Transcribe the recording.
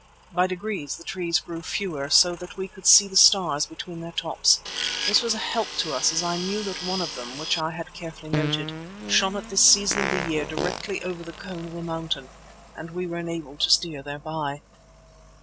By degrees the trees grew fewer so that we could see the stars between their tops. This was a help to us as I knew that one of them, which I had carefully noted, shone at this season of the year directly over the cone of the mountain, and we were enabled to steer thereby.